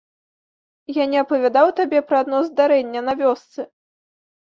Я не апавядаў табе пра адно здарэнне на вёсцы?